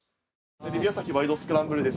テレビ朝日「ワイド！スクランブル」です。